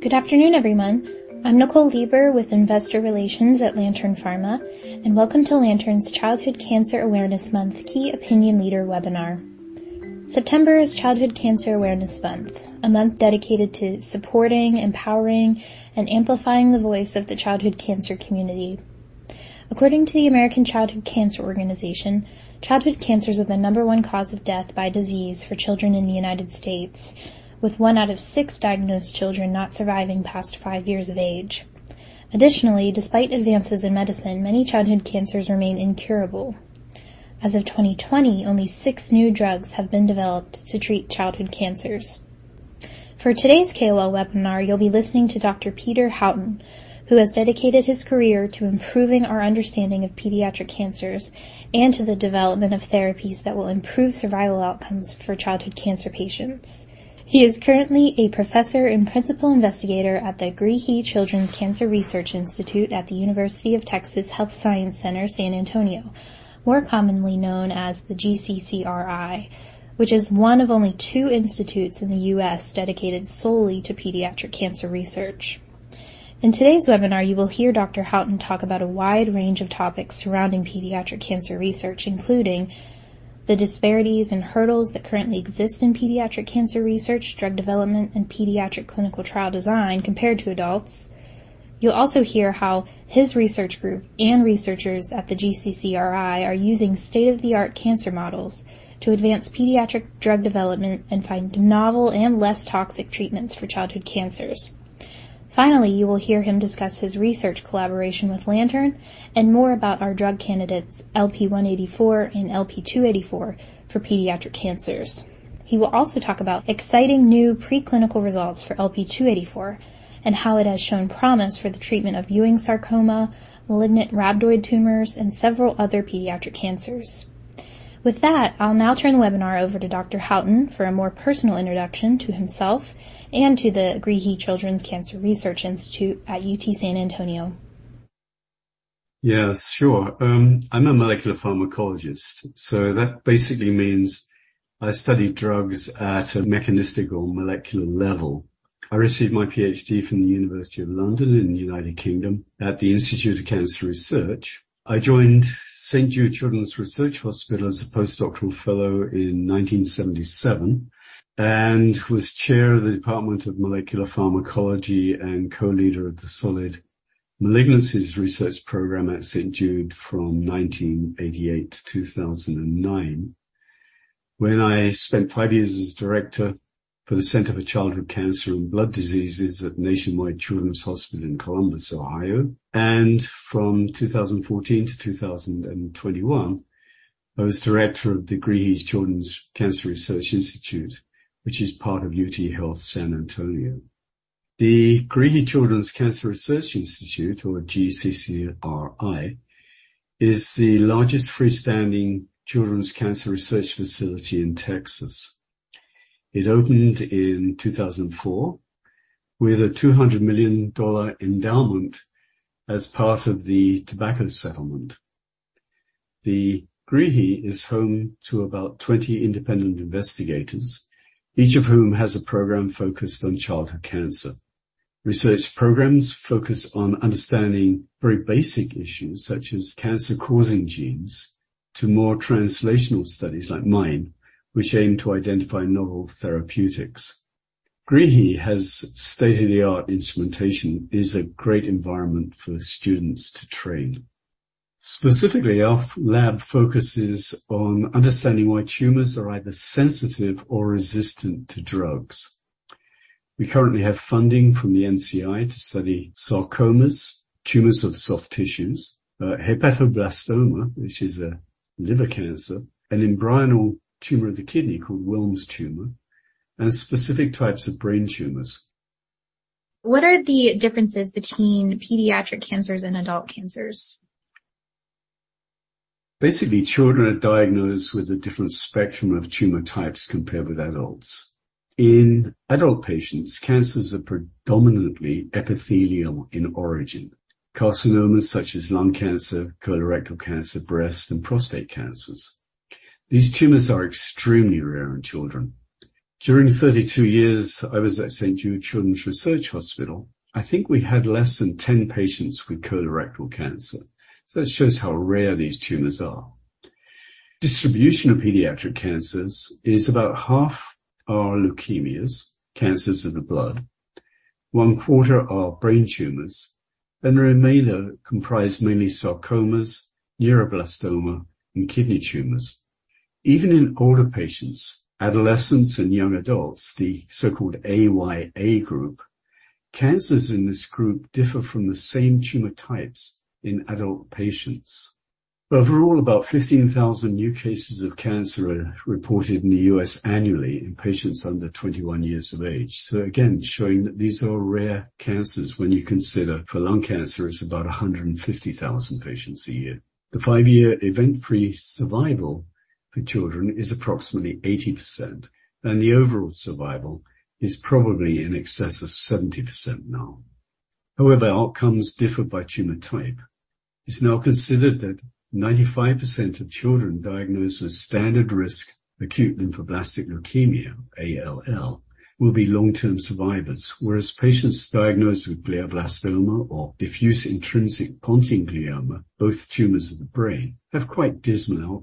Good afternoon, everyone. I'm Nicole Leber with Investor Relations at Lantern Pharma, and welcome to Lantern's Childhood Cancer Awareness Month Key Opinion Leader Webinar. September is Childhood Cancer Awareness Month, a month dedicated to supporting, empowering, and amplifying the voice of the childhood cancer community. According to the American Childhood Cancer Organization, childhood cancers are the number one cause of death by disease for children in the United States, with one out of six diagnosed children not surviving past five years of age. Additionally, despite advances in medicine, many childhood cancers remain incurable. As of 2020, only six new drugs have been developed to treat childhood cancers. For today's KOL webinar, you'll be listening to Dr. Peter Houghton, who has dedicated his career to improving our understanding of pediatric cancers and to the development of therapies that will improve survival outcomes for childhood cancer patients. He is currently a professor and principal investigator at the Greehey Children's Cancer Research Institute at the University of Texas Health Science Center at San Antonio, more commonly known as the GCCRI, which is one of only two institutes in the U.S. dedicated solely to pediatric cancer research. In today's webinar, you will hear Dr. Houghton talk about a wide range of topics surrounding pediatric cancer research, including the disparities and hurdles that currently exist in pediatric cancer research, drug development, and pediatric clinical trial design compared to adults. You'll also hear how his research group and researchers at the GCCRI are using state-of-the-art cancer models to advance pediatric drug development and find novel and less toxic treatments for childhood cancers. Finally, you will hear him discuss his research collaboration with Lantern and more about our drug candidates, LP-184 and LP-284 for pediatric cancers. He will also talk about exciting new preclinical results for LP-284 and how it has shown promise for the treatment of Ewing sarcoma, malignant rhabdoid tumors, and several other pediatric cancers. With that, I'll now turn the webinar over to Dr. Houghton for a more personal introduction to himself and to the Greehey Children's Cancer Research Institute at UT San Antonio. Yes, sure. I'm a molecular pharmacologist, so that basically means I study drugs at a mechanistic or molecular level. I received my PhD from the University of London in the United Kingdom at The Institute of Cancer Research, London. I joined St. Jude Children's Research Hospital as a postdoctoral fellow in 1977 and was Chair of the Department of Molecular Pharmacology and Co-leader of the Solid Malignancies Research Program at St. Jude from 1988 to 2009. Then I spent five years as Director for the Center for Childhood Cancer and Blood Diseases at Nationwide Children's Hospital in Columbus, Ohio. From 2014 to 2021, I was Director of the Greehey Children's Cancer Research Institute, which is part of UT Health San Antonio. The Greehey Children's Cancer Research Institute, or GCCRI, is the largest freestanding children's cancer research facility in Texas. It opened in 2004 with a $200 million endowment as part of the tobacco settlement. The Greehey is home to about 20 independent investigators, each of whom has a program focused on childhood cancer. Research programs focus on understanding very basic issues such as cancer-causing genes to more translational studies like mine, which aim to identify novel therapeutics. Greehey has state-of-the-art instrumentation. It is a great environment for students to train. Specifically, our lab focuses on understanding why tumors are either sensitive or resistant to drugs. We currently have funding from the NCI to study sarcomas, tumors of soft tissues, hepatoblastoma, which is a liver cancer, an embryonal tumor of the kidney called Wilms tumor, and specific types of brain tumors. What are the differences between pediatric cancers and adult cancers? Basically, children are diagnosed with a different spectrum of tumor types compared with adults. In adult patients, cancers are predominantly epithelial in origin. Carcinomas such as lung cancer, colorectal cancer, breast, and prostate cancers. These tumors are extremely rare in children. During the 32 years I was at St. Jude Children's Research Hospital, I think we had less than 10 patients with colorectal cancer. That shows how rare these tumors are. Distribution of pediatric cancers is about half are leukemias, cancers of the blood, one-quarter are brain tumors, and the remainder comprise mainly sarcomas, neuroblastoma, and kidney tumors. Even in older patients, adolescents and young adults, the so-called AYA group, cancers in this group differ from the same tumor types in adult patients. Overall, about 15,000 new cases of cancer are reported in the U.S. annually in patients under 21 years of age. Again, showing that these are rare cancers when you consider for lung cancer, it's about 150,000 patients a year. The five-year event-free survival for children is approximately 80%, and the overall survival is probably in excess of 70% now. However, outcomes differ by tumor type. It's now considered that 95% of children diagnosed with standard risk acute lymphoblastic leukemia, ALL, will be long-term survivors, whereas patients diagnosed with glioblastoma or diffuse intrinsic pontine glioma, both tumors of the brain, have quite dismal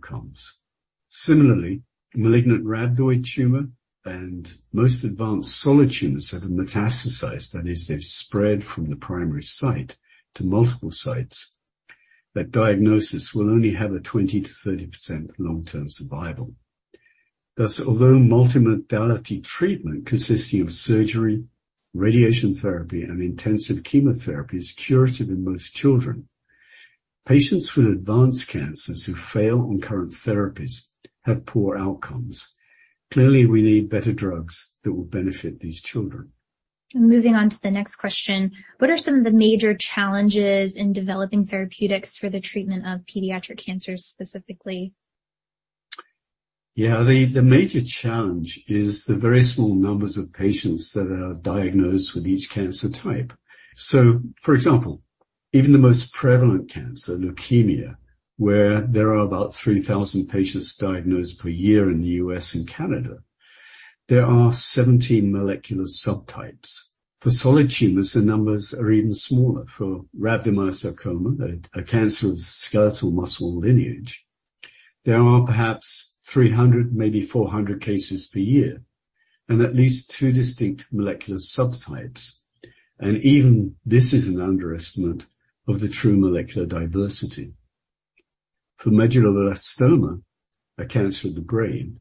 outcomes. Similarly, malignant rhabdoid tumor and most advanced solid tumors that have metastasized, that is they've spread from the primary site to multiple sites, that diagnosis will only have a 20%-30% long-term survival. Thus, although multimodality treatment consisting of surgery, radiation therapy, and intensive chemotherapy is curative in most children, patients with advanced cancers who fail on current therapies have poor outcomes. Clearly, we need better drugs that will benefit these children. Moving on to the next question. What are some of the major challenges in developing therapeutics for the treatment of pediatric cancers, specifically? Yeah. The major challenge is the very small numbers of patients that are diagnosed with each cancer type. For example, even the most prevalent cancer, leukemia, where there are about 3,000 patients diagnosed per year in the U.S. and Canada, there are 17 molecular subtypes. For solid tumors, the numbers are even smaller. For rhabdomyosarcoma, a cancer of the skeletal muscle lineage, there are perhaps 300, maybe 400 cases per year, and at least two distinct molecular subtypes. Even this is an underestimate of the true molecular diversity. For medulloblastoma, a cancer of the brain,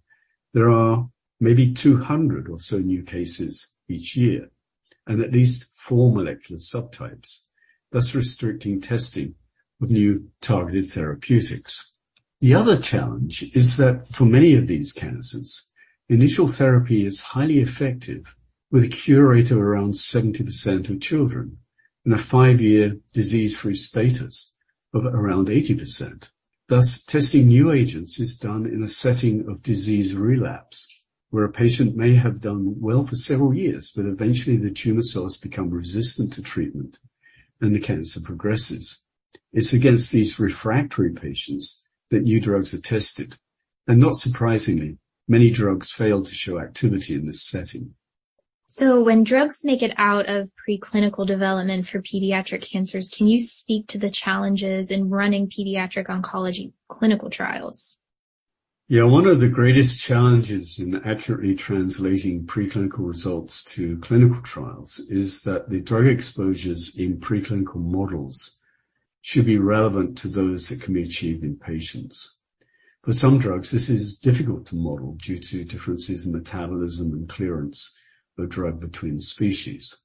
there are maybe 200 or so new cases each year and at least four molecular subtypes, thus restricting testing of new targeted therapeutics. The other challenge is that for many of these cancers, initial therapy is highly effective, with a cure rate of around 70% of children and a five-year disease-free status of around 80%. Thus, testing new agents is done in a setting of disease relapse, where a patient may have done well for several years, but eventually the tumor cells become resistant to treatment and the cancer progresses. It's against these refractory patients that new drugs are tested, and not surprisingly, many drugs fail to show activity in this setting. When drugs make it out of preclinical development for pediatric cancers, can you speak to the challenges in running pediatric oncology clinical trials? Yeah. One of the greatest challenges in accurately translating preclinical results to clinical trials is that the drug exposures in preclinical models should be relevant to those that can be achieved in patients. For some drugs, this is difficult to model due to differences in metabolism and clearance of drug between species.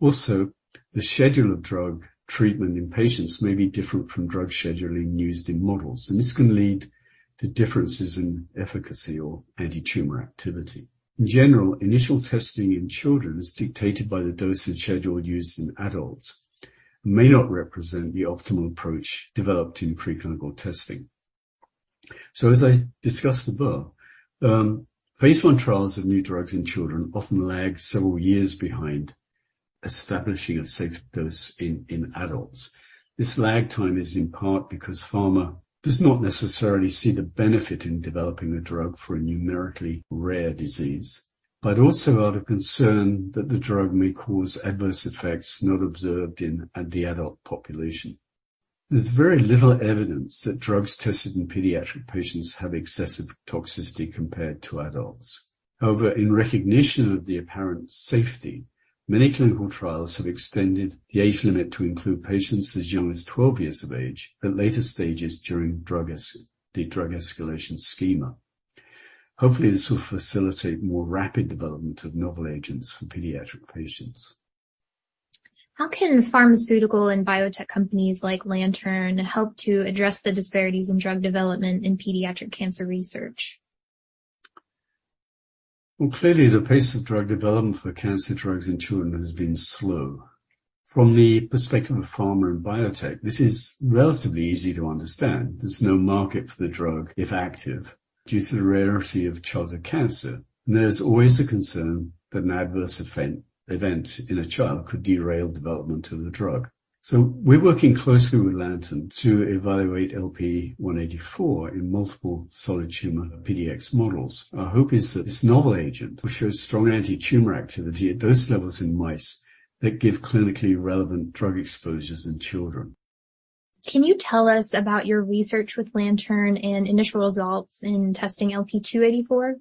Also, the schedule of drug treatment in patients may be different from drug scheduling used in models, and this can lead to differences in efficacy or anti-tumor activity. In general, initial testing in children is dictated by the dosage schedule used in adults and may not represent the optimal approach developed in preclinical testing. As I discussed above, phase I trials of new drugs in children often lag several years behind establishing a safe dose in adults. This lag time is in part because pharma does not necessarily see the benefit in developing a drug for a numerically rare disease, but also out of concern that the drug may cause adverse effects not observed in the adult population. There's very little evidence that drugs tested in pediatric patients have excessive toxicity compared to adults. However, in recognition of the apparent safety, many clinical trials have extended the age limit to include patients as young as 12 years of age at later stages during the drug escalation schema. Hopefully, this will facilitate more rapid development of novel agents for pediatric patients. How can pharmaceutical and biotech companies like Lantern help to address the disparities in drug development in pediatric cancer research? Well, clearly the pace of drug development for cancer drugs in children has been slow. From the perspective of pharma and biotech, this is relatively easy to understand. There's no market for the drug, if active, due to the rarity of childhood cancer. There's always a concern that an adverse event in a child could derail development of the drug. We're working closely with Lantern to evaluate LP-184 in multiple solid tumor PDX models. Our hope is that this novel agent will show strong anti-tumor activity at dose levels in mice that give clinically relevant drug exposures in children. Can you tell us about your research with Lantern and initial results in testing LP-284?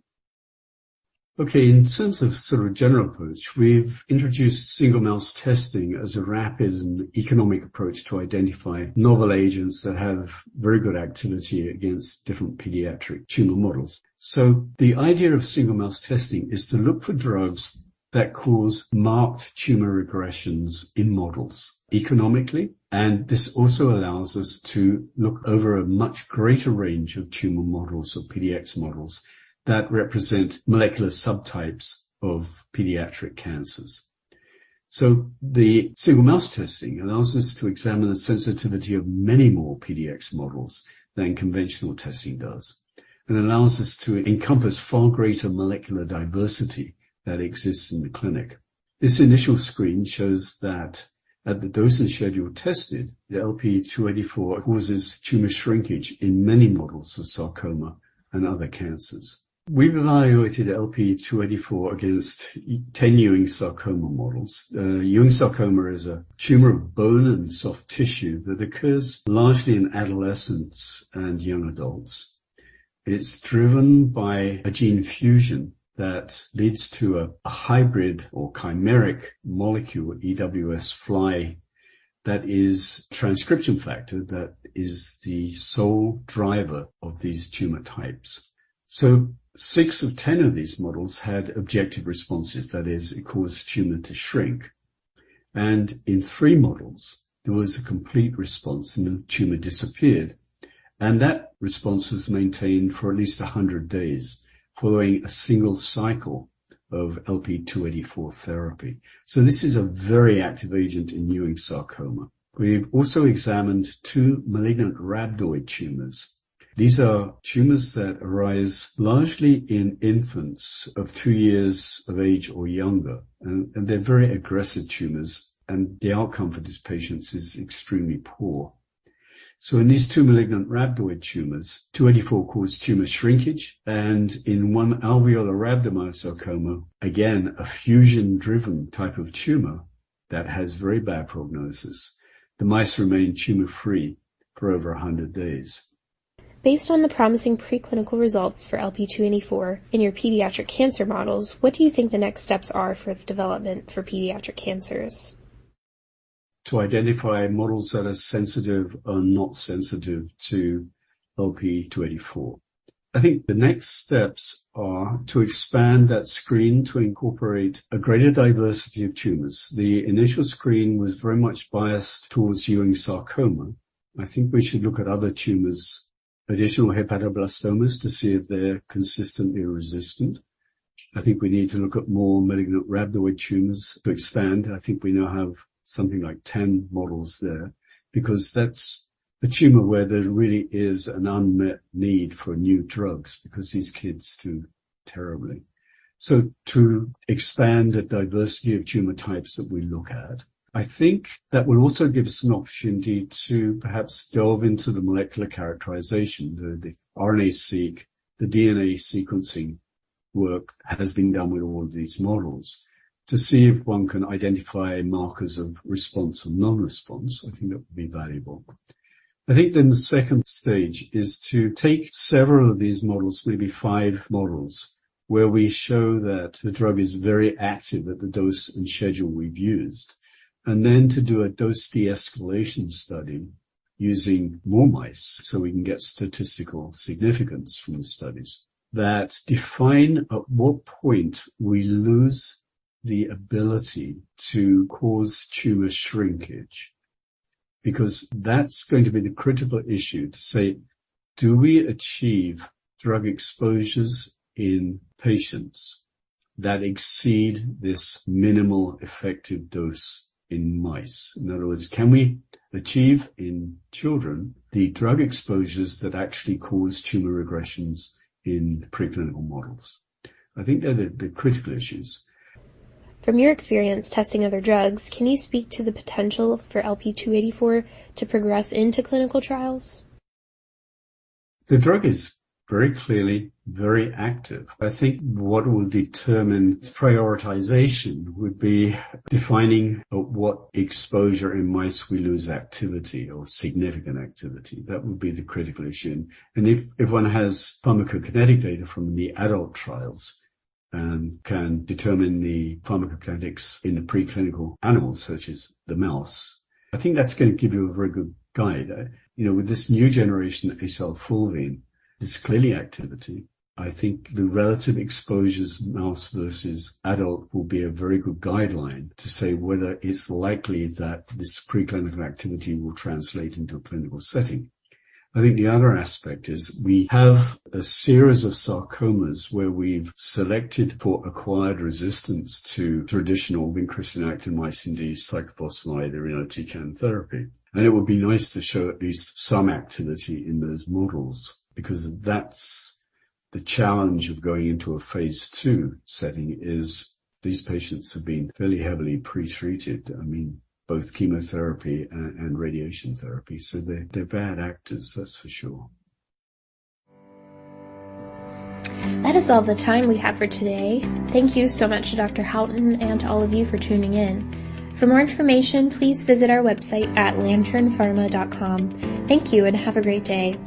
Okay. In terms of sort of general approach, we've introduced single mouse testing as a rapid and economic approach to identify novel agents that have very good activity against different pediatric tumor models. The idea of single mouse testing is to look for drugs that cause marked tumor regressions in models economically, and this also allows us to look over a much greater range of tumor models or PDX models that represent molecular subtypes of pediatric cancers. The single mouse testing allows us to examine the sensitivity of many more PDX models than conventional testing does and allows us to encompass far greater molecular diversity that exists in the clinic. This initial screen shows that at the dosage schedule tested, the LP-284 causes tumor shrinkage in many models of sarcoma and other cancers. We've evaluated LP-284 against 10 Ewing sarcoma models. Ewing sarcoma is a tumor of bone and soft tissue that occurs largely in adolescents and young adults. It's driven by a gene fusion that leads to a hybrid or chimeric molecule, EWS-FLI, that is transcription factor that is the sole driver of these tumor types. Six of ten of these models had objective responses. That is, it caused tumor to shrink. In three models, there was a complete response, and the tumor disappeared, and that response was maintained for at least 100 days following a single cycle of LP-284 therapy. This is a very active agent in Ewing sarcoma. We've also examined two malignant rhabdoid tumors. These are tumors that arise largely in infants of two years of age or younger, and they're very aggressive tumors, and the outcome for these patients is extremely poor. In these two malignant rhabdoid tumors, LP-284 caused tumor shrinkage, and in one alveolar rhabdomyosarcoma, again, a fusion-driven type of tumor that has very bad prognosis, the mice remained tumor-free for over 100 days. Based on the promising preclinical results for LP-284 in your pediatric cancer models, what do you think the next steps are for its development for pediatric cancers? To identify models that are sensitive and not sensitive to LP-284. I think the next steps are to expand that screen to incorporate a greater diversity of tumors. The initial screen was very much biased towards Ewing sarcoma. I think we should look at other tumors, additional hepatoblastomas to see if they're consistently resistant. I think we now have something like 10 models there because that's the tumor where there really is an unmet need for new drugs because these kids do terribly. To expand the diversity of tumor types that we look at, I think that will also give us an opportunity to perhaps delve into the molecular characterization, the RNA-seq, the DNA sequencing work that has been done with all of these models to see if one can identify markers of response and non-response. I think that would be valuable. I think then the second stage is to take several of these models, maybe five models, where we show that the drug is very active at the dose and schedule we've used, and then to do a dose de-escalation study using more mice, so we can get statistical significance from the studies that define at what point we lose the ability to cause tumor shrinkage. Because that's going to be the critical issue to say, do we achieve drug exposures in patients that exceed this minimal effective dose in mice? In other words, can we achieve in children the drug exposures that actually cause tumor regressions in the preclinical models? I think they're the critical issues. From your experience testing other drugs, can you speak to the potential for LP-284 to progress into clinical trials? The drug is very clearly very active. I think what will determine its prioritization would be defining at what exposure in mice we lose activity or significant activity. That would be the critical issue. If one has pharmacokinetic data from the adult trials and can determine the pharmacokinetics in the preclinical animals such as the mouse, I think that's gonna give you a very good guide. You know, with this new generation of acylfulvene, there's clearly activity. I think the relative exposures mouse versus adult will be a very good guideline to say whether it's likely that this preclinical activity will translate into a clinical setting. I think the other aspect is we have a series of sarcomas where we've selected for acquired resistance to traditional vincristine, actinomycin D, cyclophosphamide, irinotecan therapy, and it would be nice to show at least some activity in those models because that's the challenge of going into a phase II setting is these patients have been fairly heavily pre-treated. I mean, both chemotherapy and radiation therapy, so they're bad actors, that's for sure. That is all the time we have for today. Thank you so much to Dr. Houghton and to all of you for tuning in. For more information, please visit our website at lanternpharma.com. Thank you, and have a great day.